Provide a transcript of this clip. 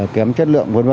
kém chất lượng v v